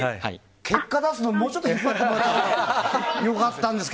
結果出すのもうちょっと引っ張ってもらえればよかったですが。